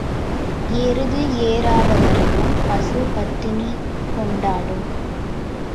எருது ஏறாதவரையும் பசு பத்தினி கொண்டாடும்.